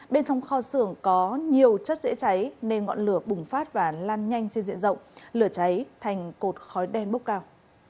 bên trong kho xưởng có nhiều chất dễ cháy nên ngọn lửa bùng phát và lan nhanh trên diện rộng lửa cháy thành cột khói đen bốc cao